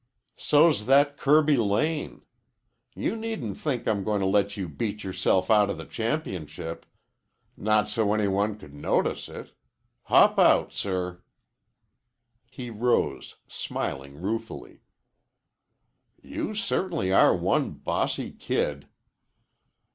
"So's that Kirby Lane. You needn't think I'm going to let you beat yourself out of the championship. Not so any one could notice it. Hop out, sir." He rose, smiling ruefully. "You certainly are one bossy kid."